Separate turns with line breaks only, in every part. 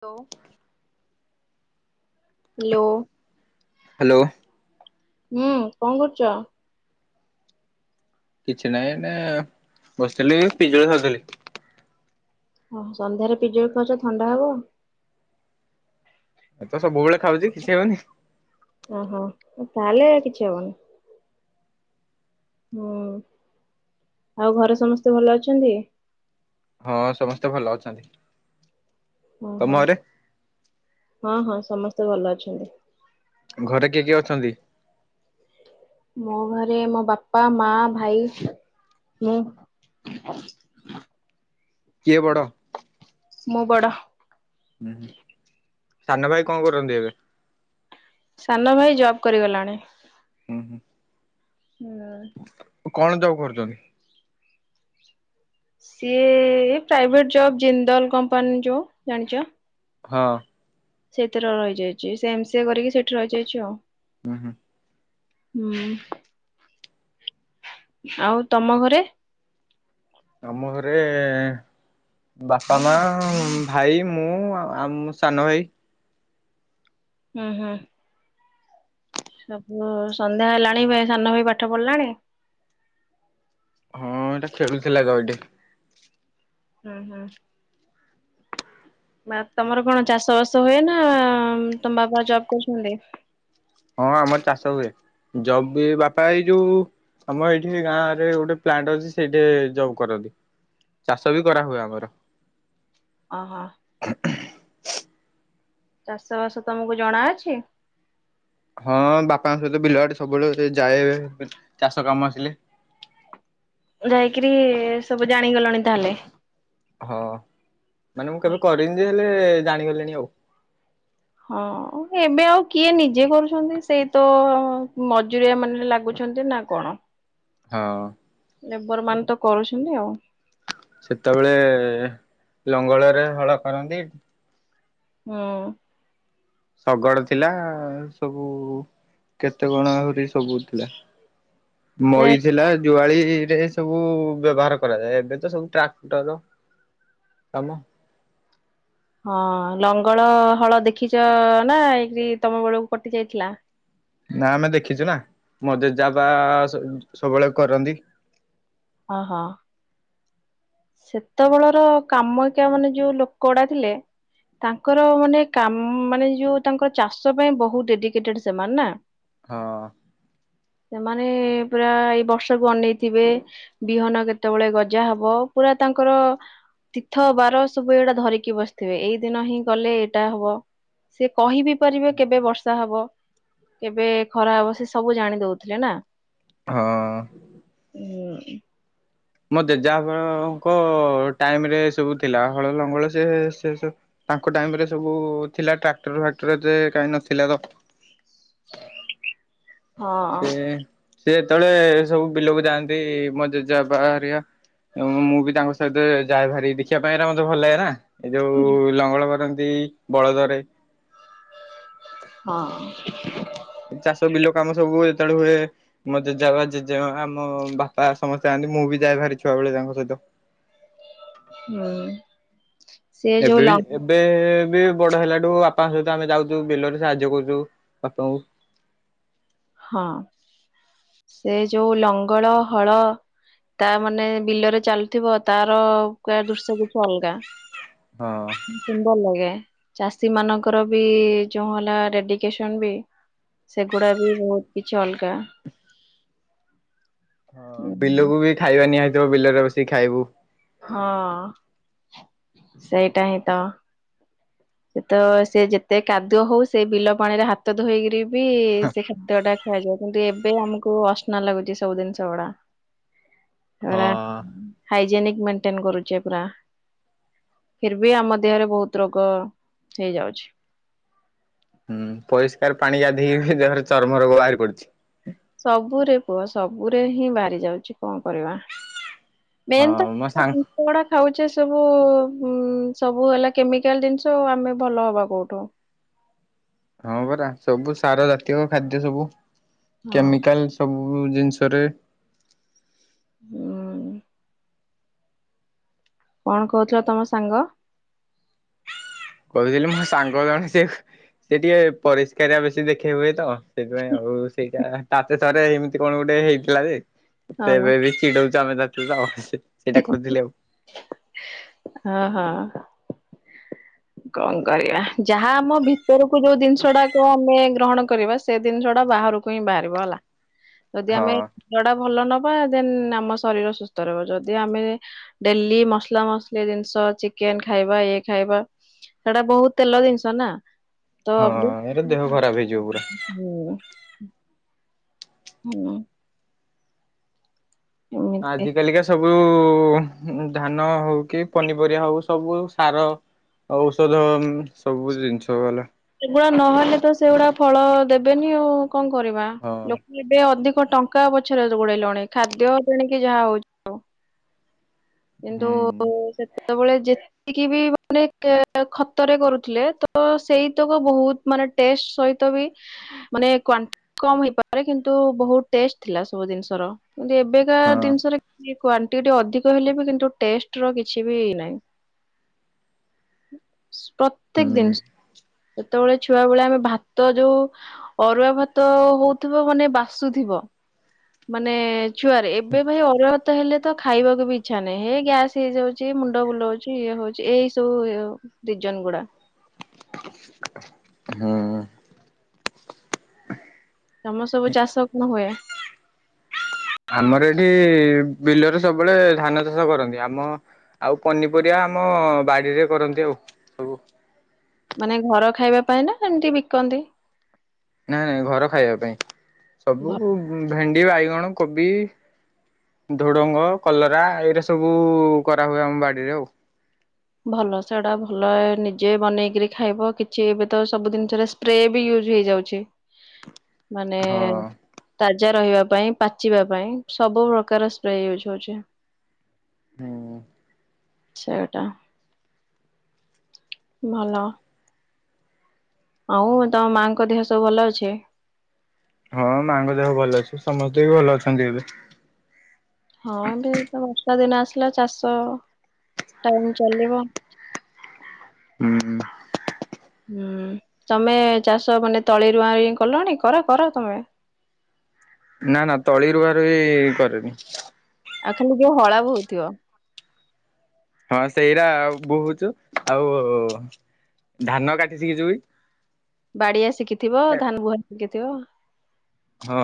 ତୋ । ଲୋ ।
ହା ଲୋ ।
ହୁଁ କଣ କରୁଛ ।
କିଛି ନହିଁ ଏଇଟେ ବସିଥିଲି ଏଇ ପିଜଳି ଖାଉଥିଲି ।
ଓ ହୋ ସନ୍ଧ୍ୟାରେ ପିଯୁଳି ଖାଉଚ ଥଣ୍ଡା ହବ ।
ଏ ତ ସବୁବେଳେ ଖାଉଛି କିଛି ହଉନି ।
ଓହୋ ତାହେଲେ କିଛି ହବନି । ହୁଁ ଆଉ ଘରେ ସମସ୍ତେ ଭଲ ଅଛନ୍ତି ।
ହଁ ସମସ୍ତେ ଭଲ ଅଛନ୍ତି ।
ଓ ହୋ ହଁ ହଁ ସମସ୍ତେ ଭଲ ଅଛନ୍ତି ।
ଘରେ କିଏ କିଏ ଅଛନ୍ତି ।
ମୋ ଘରେ ମୋ ବାପା ମା ଭାଇ । ମୋ ।
କିଏ ବଡ ।
ମୁଁ ବଡ ।
ହୁଁ ହୁଁ ସାନ ଭାଇ କଣ କରନ୍ତି ଏବେ ।
ସାନ ଭାଇ ଜବ୍ କରିଗଲାଣି ।
ହୁଁ ହୁଁ ।
[unintelligible]
କଣ ଯବ କରୁଛନ୍ତି ।
ସିଏ ଏ ପ୍ରାଇଭେଟ ଜବ୍ ଜିନ୍ଦଲ କମ୍ପାନୀ ଯୋଉ ଜାଣିଛ ।
ହଁ ।
ସେଇଥେର ରହିଯାଇଛି ସେ ଏମ ସି ଏ କରିକି ସେଠି ରହିଯାଇଛି ଆଉ ।
ଉଁ ହୁଁ।
ହୁଁ । ଆଉ ତମ ଘରେ ।
ଆମ ଘରେ । ବାପା ମା ଭାଇ ମୁଁ ଆଉ ମୋ ସାନ ଭାଇ ।
ହୁଁ ହୁଁ। ସବୁ ସନ୍ଧ୍ୟା ହେଲାଣି ସାନ ଭାଇ ପାଠ ପଢିଲାଣି ।
ହଁ ଏଇଟା ଖେଳୁଥିଲା ତ ଏଇଠି ।
ହୁଁ ହୁଁ । ବା ତମର କଣ ଚାଷ ବାସ ହୁଏ ନା ତମ ବାପା ଜବ୍ କରୁଛନ୍ତି ।
ହଁ ଆମର ଚାଷ ହୁଏ ଜବ ବି ବାପା ଏଇ ଯୋଉ ଆମ ଏଇଠି ଗାଁରେ ଗୋଟେ ପ୍ଲାଣ୍ଟ ଅଛି ସେଇଠି ଜବ କରନ୍ତି। ଚାଷ ବି କରା ହୁଏ ଆମର।
ଓହୋ ଚାଷବାସ ତମକୁ ଜଣା ଅଛି?
ହଁ ବାପାଙ୍କ ସହିତ ବିଲଆଡେ ସବୁବେଳେ ଯାଏ ଏ ଚାଷ କାମ ଆସିଲେ।
ଯାଇକିରି ସବୁ ଜାଣିଗଲଣି ତାହେଲେ?
ହଁ ମାନେ ମୁଁ କେବେ କରିନି ଯେ ହେଲେ ଜାଣିଗଲିଣି ଆଉ।
ହଁ ଏବେ ଆଉ କିଏ ନିଜେ କରୁଛନ୍ତି ସେଇ ତ ମଜୁରିଆ ମାନେ ଲାଗୁଚ୍ ଅଛନ୍ତି ନା କଣ?
ହଁ।
ଲେବର ମାନ ତ କରୁଚନ୍ତି ଆଉ।
ସେତେବେଳେ ଲଙ୍ଗଳରେ ହଳ କରନ୍ତି।
ହୁଁ।
ଶଗଡ଼ ଥିଲା ସବୁ କେତେ କଣ ଆହୁରି ସବୁ ଥିଲା।
ଯେ
ମଇ ଥିଲା। ଜୁଆଳି ରେ ସବୁ ବ୍ୟବହାର କରାଯାଏ। ଏବେ ତ ସବୁ ଟ୍ରାକ୍ଟର କାମ।
ହଁ ଲଙ୍ଗଳ ହଳ ଦେଖିଛ ନା ଏକିରି ତମ ବେଳକୁ କଟି ଯାଇଥିଲା?
ନା ଆମେ ଦେଖିଚୁ ନା ମୋ ଜେଜେ ବାପା ସ-ସବୁବେଳେ କରନ୍ତି।
ଅ ହଁ। ସେତେବେଳର କାମିକା ମାନେ ଯୋଉ ଲୋକ ଗୁଡା ଥିଲେ। ତାଙ୍କର ମାନେ କାମ ମାନେ ଯୋଉ ତାଙ୍କ ଚାଷ ପାଇଁ ବହୁତ ଡେଡିକେଟେଡ ସେମାନେ ନା?
ହଁ।
ସେମାନେ ପୁରା ଏଇ ବର୍ଷାକୁ ଅନେଇଥିବେ। ବିହନ କେତେବେଳେ ଗଜା ହବ। ପୁରା ତାଙ୍କର ତୀର୍ଥ ବାର ସବୁ ଏଇଟା ଧରିକି ବସିଥିବେ। ଏଇ ଦିନ ହିଁ ଗଲେ ଏଇଟା ହବ। ସେ କହିବି ପାରିବେ କେବେ ବର୍ଷା ହବ କେବେ ଖରା ହବ ସେ ସବୁ ଜାଣି ଦଉଥିଲେ ନା?
ହଁ।
ହୁଁ।
ମୋ ଜେଜେବାପାଙ୍କ ଟାଇମ ରେ ସବୁ ଥିଲା ହଳ ଲଙ୍ଗଳ ସେ ସେସ ତାଙ୍କ ଟାଇମ ରେ ସବୁ ଥିଲା ଟ୍ରାକ୍ଟର ଫାକ୍ଟର ଏତେ କାହିଁ ନଥିଲା ତ।
ହଁ।
ସେ ସେ ଯେତେବେଳେ ସବୁ ବିଲକୁ ଯାଆନ୍ତି ମୋ ଜେଜେ ବାପା ହେରିକା ଏଁ ମୁଁ ବି ତାଙ୍କ ସହିତ ଯାଏ ଭାରି ଦେଖିବା ପାଇଁ ମତେ ଏରା ଭଲ ଲାଗେ ନା? ଏଇ ଯୋଉ ଲଙ୍ଗଳ କରନ୍ତି ବଳଦରେ।
ହଁ।
ଚାଷ ବିଲ କାମ ସବୁ ଯେତେବେଳେ ହୁଏ। ମୋ ଜେଜେବାପା ଜେଜେମାଆ ମୋ ବାପା ସମସ୍ତେ ଯାନ୍ତି। ମୁଁ ବି ଯାଇଏ ଭାରି ଛୁଆବେଳେ ତାଙ୍କ ସହିତ।
ହୁଁ। ସେ ଯୋଉ
ଏବେ
ଲ
ବି ଏବେ ବି ବଡ ହେଲାଠୁ ବାପାଙ୍କ ସହିତ ଆମେ ଯାଉଚୁ ବିଲରେ ସାହାଯ୍ୟ କରୁଚୁ ବାପାଙ୍କୁ।
ହଁ ସେ ଯୋଉ ଲଙ୍ଗଳ ହଳ ତା ମାନେ ବିଲରେ ଚାଲୁଥିବ ତାର ପ ଦୃଶ୍ୟ କିଛି ଅଲଗା।
ହଁ
ସୁନ୍ଦର ଲାଗେ। ଚାଷୀମାନଙ୍କର ବି ଯୋଉଁ ହେଲା ଡେଡିକେସନ ବି ସେଗୁଡା ବି ବହୁତ କିଛି ଅଲଗା। ଉଁ
ବିଲୁକୁ ବି ଖାଇବା ନିଆ ହେଇଥିବ ବିଲରେ ବସିକି ଖାଇବୁ।
ହଁ ସେଇଟା ହିଁ ତ। ସେତ ସିଏ ଯେତେ କାଦୁଅ ହଉ ସେ ବିଲ ପାଣିରେ ହାତ ଧୋଇକି ରି ବି ସେ ଖାଦ୍ୟ ଟା ଖଆଯାଉ କିନ୍ତୁ ଏ ବେ ଆମକୁ ଅସ୍ନା ଲାଗୁଛି ସବୁ ଜିନିଷ
ହଁ
ଗୁଡା ହାଇଜେନିକ ମେଣ୍ଟେନ କରୁଛେ ପୁରା ଫର ବି ଆମ ଦେହରେ ବହୁତ ରୋଗ ହେଇଯାଉଛି।
ହୁଁ ପରିଷ୍କାର ପାଣି ଗାଧୋଇକ ଦେହରେ ଚର୍ମ ରୋଗ ବାହାରି ପଡୁଛି।
ସବୁରେ ପୁଅ ସବୁରେ ହିଁ ବାହାରି ଯାଉଛି କଣ କରିବା। ମେନ୍
ହଁ
ତ
ମୋ ସାଙ୍ଗ
ଜିନିଷ ଗୁଡା ଖାଉଛେ ସବୁ ସବୁ ହେଲା କେମିକାଲ ଜିନିଷ ଆ ଆମେ ଭଲ ହବା କୋଉଠୁ।
ହଁ ପରା ସବୁ ସାର ଜାତୀୟ ଖାଦ୍ୟ ସବୁ
ହଁ
କେମିକାଲ ସବୁ ଉଁ ଜିନିଷରେ
ହୁଁ କଣ କହୁଥିଲା ତମ ସାଙ୍ଗ?
କହୁଥିଲି ମୋ ସାଙ୍ଗ ଜଣ ସିଏ ସିଏ ଟିକେ ପରିଷ୍କାର ଆ ବେଶୀ ଦେଖେଇ ହୁଏ ତ। ସେଥିପାଇଁ ଆଉ ସେଇଟା ତାତ ରେ ଏମିତି କଣ ଗୋଟେ ହେଇଥିଲା ଯେ
ହଁ
ଏବେ ବି ଚିଡଉଛି। [unintelligible] ସେଇଟା କହୁଥିଲି ଆଉ।
ହଁ ହଁ। କଣ କରିବା ଯାହା ଆମ ଭିତରକୁ ଯୋଉ ଜିନିଷ ଟାକୁ ଆମେ ଗ୍ରହଣ କରିବା ସେ ଜିନିଷ ଟା ବାହାରକୁ ହିଁ ବାହାରିବ ହେଲା ଯଦି ଆମେ
ହଁ
ଟା ଭଲ ନ ନବା ଦେନ୍ ଆମ ଶରୀର ସୁସ୍ଥ ରହିବ ଯଦି ଆମେ ଡେଲି ମସଲା ମସଲି ଜିନିଷ ଚିକେନ ଖାଇବା ଇଏ ଖାଇବା ସେଟା ବହୁତ ତେଲ ଜିନିଷ ନା।
ହଁ ଏରା ଦେହ ଖରାପ ହେଇଯିବ ପୁରା।
[unintelligible] ହୁଁ। ଏମିତି
ଆଜ କାଲିକା ସବୁ ହଁ ଧାନ ହଉ କି ପନିପରିବା ହଉ ସବୁ ସାର ଔଷଧ ସବୁ ଜିନିଷ ଗଲା।
ହେରା ନହେଲେ ତ ସେଗୁଡା ଫଳ ଦେବେନି ଆଉ କଣ କରିବା
ହଁ।
ଲୋକ ଏବେ ଅଧିକ କ ଟଙ୍କା ପଛରେ ଗୋଡେଇଲଣି ଖାଦ୍ୟ ଟଣ କି ଯାହା ହଉଛି ହଉ। କିନ୍ତୁ
ହୁଁ
ସେ ସେତେବେଳେ ଯେତିକି ବି ମାନେ ଖତରେ କରୁଥିଲେ ତ ସେଇ [unintelligible] ବହୁତ୍ ମାନେ ଟେଷ୍ଟ ସହିତ ବି ମାନେ କ୍ୟାଣ୍ଟ କାମ ହେଇପାରେ କିନ୍ତୁ ବହୁତ୍ ଟେ ଟେଷ୍ଟ ଥିଲା ସବୁ ଜିନିଷର କିନ୍ତୁ ଏବେକା
ହଁ
ଜିନିଷରେ କ୍ୟାଣ୍ଟିଟି ଅଧିକ ହେଲେ ବି କିନ୍ତୁ ଟେଷ୍ଟ ର କିଛି ବି ନାହିଁ।
ହୁଁ
ପ୍ରତ୍ୟେକ ଦିନ ସେତେବେଳେ ଛୁଆ ବେଳେ ଆମେ ଭାତ ଯୋଉ ଅରୁଆ ଭାତ ହଉଥିବ ମାନେ ବାସୁଥିବ। ମାନେ ଛୁଆରେ ଏବେ ଭାଇ ଅରୁଆ ଭାତ ହେଲେ। ତ ଖାଇବାକୁ ବି ଇଚ୍ଛା ନାହିଁ ହେ ଗ୍ୟାସ୍ ହେଇାଉଉଛି ମୁଣ୍ଡ ବୁଲଉଛି ଇଏ ହଉଛି ଏଇ ସବୁ ଜନଗୁଡ଼ା।
ହୁଁ।
ତମ ସବୁ ଚାଷ କଣ ହୁଏ?
ଆମର ଏଠି ବିଲରେ ସବୁବେଳେ ଧାନ ଚାଷ କରନ୍ତି ଆମ ଆଉ ପନିପରିବା। ଆମ ବାଡିରେ କରନ୍ତି ଆଉ ସବୁ।
ମାନେ ଘର ଖାଇବା ପାଇଁ ନା ଏମିତି ବିକନ୍ତି?
ନାଇ ନାଇଁ ଘର ଖାଇବା ପାଇଁ ସବୁ
ଭଲ
ଭେଣ୍ଡି ବାଇଗଣ କୋବି ଝୁଡଙ୍ଗ କଲରା ଏଇରା ସବୁ କରାହୁଏ ଆମ ବାଡିରେ ଆଉ।
ଭଲ ସେଟା ଭଲ ନିଜେ ବନେଇକରି ଖାଇବ କିଛି ଏବେ ତ ସବୁ ଜିନିଷରେ ସ୍ପ୍ରେ ବି ହେଇଯାଉଛି ମାନେ
ହଁ।
ତା ଜା ରହିବା ପାଇଁ ପାଚିବା ପାଇଁ ସବୁ ପ୍ରକାର ସ୍ପ୍ରେ ୟୁଜ ହଉଛି।
ହୁଁ
ସେଟା ଭଲ। ଆଉ ତମ ମାଙ୍କ ଦେହ ସବୁ ଭଲ ଅଛି?
ହଁ ମାଙ୍କ ଦେହ ଭଲ ଅଛି ସମସ୍ତେ ବି ଭଲ ଅଛନ୍ତି ଏବେ।
ହଁ ଏବେ ତ ବର୍ଷା ଦିନ ଆସିଲା ଚାଷ ଟାଇମ ଚାଲିବ।
ହୁଁ।
ହୁଁ ତମେ ଚାଷ ମାନେ ତଳିରୁଆ କଲଣି କର କର ତମେ। [inaudible]
ନା ନା ତଳି ରୁଆରୁଇ କରେନି।
ଆଉ ଖାଲି ଯଉ ହଳାବହୁଥିବ।
ହଁ ସେଇରା ବୋହୁଛୁ ଆଉ ଧାନ କାଟିସିକିି ଯି।
ବାଡିଆ ଶିଖିଥିବ ଧାନ ବୁହା ଶିଖିଥିବ।
ହଁ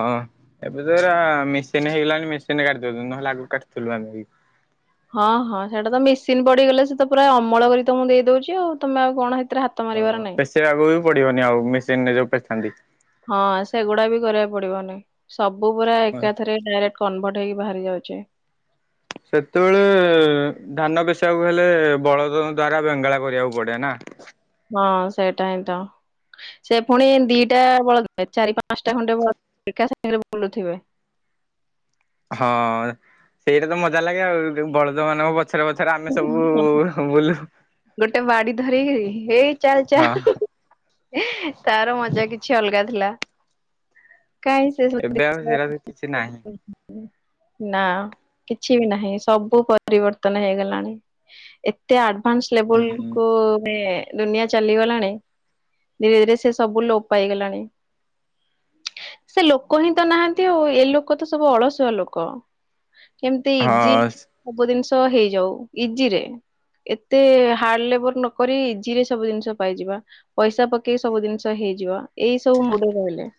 ଏବେ ତ ହେରା ମେସିନ ହେଇଗଲାଣି ମେସିନରେ କାଟି ଦଉଛନ୍ତି ନହେଲେ ଆଗକୁ କାଟିଥିଲୁ ଆମେ ବି।
ହଁ ହଁ ସେଇଟା ତ ମେସିନ ପଡିଗଲେ ସେ ତ ପୁରା ଅମଳ କରି ତମକୁ ଦେଇଦଉଛି ଆଉ ତମେ ଆଉ କଣ ହେଇ
ହଁ ପେଶେଇବାକୁ ବି ପଡିବନି ଆଉ ମେସିନରେ ଯୋଉ ପେସାନ୍ତି।
ହଁ ସେଗୁଡା ବି କରିବାକୁ ପଡିବନି ସବୁ ପୁରା ଏକାଥରେ ଡାଇରେକ୍ଟ କନଭଟ ପେସେଇକି ବାହାରି ଯାଉଛି।
ସେତେବେଳେ ଧାନ ପେଶିବାକୁ ହେଲେ ବଳଦ ଦ୍ଵାରା ବେଙ୍ଗଳା କରିବାକୁ ପଡେ ନା।
ହଁ ସେଇଟା ହିଁ ତ। ସେ ପୁଣି ଦିଟା ବଳଦ ନୁହେଁ ଚାରି ପାଞ୍ଚଟା ଖଣ୍ଡେ ବଳଦ। ଏକାସାଙ୍ଗରେ ବୁଲୁଥିବେ।
ହଁ ସେଇଟା ତ ମଜା ଲାଗେ ଆଉ ବଳଦ ମାନଙ୍କ ପଛରେ ପଛରେ ଆମେ ସବୁ ବୁଲୁ।
ଗୋଟେ ବାଡି ଧରିକି ହେଇ ଚାଲ
ହଁ
ଚାଲ। ତାର ମଜା କିଛି ଅଲଗା ଥିଲା। କାଇଁ ସେ
ଏବେ ଆଉ ସେରା ବି କିଛି ନାହିଁ
[unintelligible] ନା କିଛି ବି ନାହିଁ ସବୁ ପରିବର୍ତ୍ତନ ହେଇଗଲା। ଏତେ ଆଡଭାନ୍ସ ଲେବଲୁ କୁ ମେ ଦୁନିଆ ଚାଲିଗଲାଣି ଧୀରେ ଧୀରେ ସେ ସବୁ ଲୋପ ପାଇଗଲାଣି। ସେ ଲୋକ ହିଁ ତ ନାହାନ୍ତି ଆଉ ଏ ଲୋକ ତ ସବୁ ଅଳସୁଆ ଲୋକ। କେମିତି ଇଜି
ହଁ।
ସବୁ ଜିନିଷ ହେଇଯାଉ ଇଜି ରେ ଏତେ ହାର୍ଡ ଲେବୁଲ ନକରି ଇଜି ରେ ସବୁ ଜିନିଷ ପାଇଯିବା ପଇସା ପକେଇ ସବୁ ଜିନିଷ ହେଇ ହେଇଯିବ ଏଇ ସବୁ ମୁଣ୍ଡ ରେ ରହିଲେ।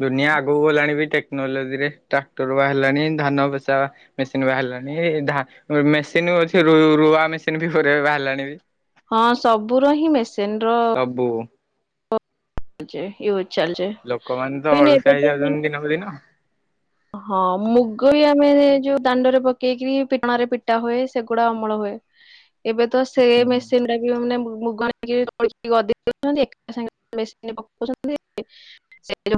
ଦୁନିଆ ଆଗକୁ ଗଲାଣି ବି ଟେ କ୍ନୋଲୋଜିରେ ଟ୍ରାକ୍ଟର ବାହାରିଲାଣି ଧାନ ପେସା ମେସିନ ବାହାରିଲାଣି ଧା ମେସିନି ଅଛି ରୁଆମେସିନ ବି ଗୁରେ ବାହାରିଲାଣି ବି।
ହଁ ସବୁର ହିଁ ମେସ
ସବୁ।
[unintelligible]
ଲୋକମାନେ ତ ଅଳସୁଆ
ଏବେ ତ ମ
ହେଇଯାଉଛନ୍ତି ଦିନକୁ ଦିନ।
ହଁ ମୁଗ ବି ଆମେ ଯୋଉ ଦାଣ୍ଡରେ ପକେଇକି ପିଟଣାରେ ପିଟା ହୁଏ ସେଗୁଡା ଅମଳ ହୁଏ। ଏବେ ତ ସେ ମେସିନ୍ ଟା ବି ମାନେ [unintelligible] ମେସିନ୍ ପକଉଛନ୍ତି। [unintelligible] ସେଟ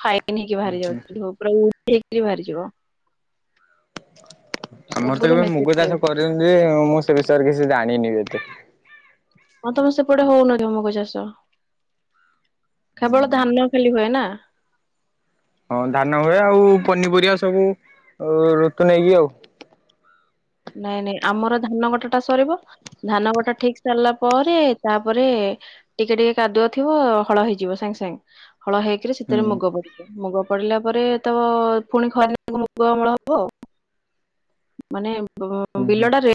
ଫାଇ ନି ହେଇକି ବାହାରି ଯାଉଛି ଧୂପ ହେଇକରି ବାହାରିଯିବ।
ଆମର ତ
ସବୁର
ଏବେ ମୁଗ
ମେସିନ
ଚାଷ କରିଛନ୍ତି ଯେ ମୁଁ ସେ ବିଷୟରେ କିଛି ଜାଣିନି ଏବେ। [inaudible]
ହଁ ତମ [unintelligible] ଚାଷ କେବଳ ଧାନ ଖାଲି ହୁଏ ନା।
ହଁ ଧାନ ହୁଏ ଆଉ ପନିପରିବା ସବୁ ଋତୁ ନେଇକି ଆଉ
[inaudible] ନାଇଁ ନାଇଁ ଆମର ଧାନ କଟାଟା ସରିବ ଧାନ କଟା ଠିକ ସରିଲା ପରେ ତାପରେ ଟିକେ ଟିକେ କାଦୁଅ ଥିବ ହଳ ହେଇଯିବ ସାଙ୍ଗେ ସାଙ୍ଗେ। ହଳ ହେଇକିରି
ହୁଁ
ସେଥିରେ ମୁଗ ବଢିଯିବ ମୁଗ ପଡିଲା ପରେ ତ ପୁଣି ଖରାକୁ ମୁଗ ଅମଳ ହବ ଆଉ। ମାନେ
ହୁଁ
ବିଲଟା
ହୁଁ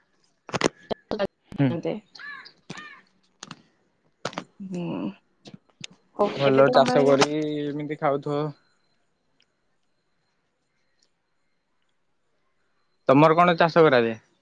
[unintelligible] ହଁ।
ଭଲ ଚାଷ କରି ଏମିତି ଖାଉଥିବ। ତମର କଣ ଚାଷ କରାଏ?